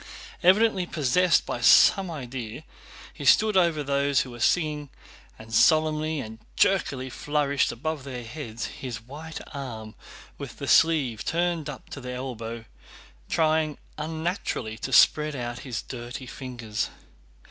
Evidently possessed by some idea, he stood over those who were singing, and solemnly and jerkily flourished above their heads his white arm with the sleeve turned up to the elbow, trying unnaturally to spread out his dirty fingers.